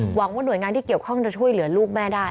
หวังว่าหน่วยงานที่เกี่ยวข้องจะช่วยเหลือลูกแม่ได้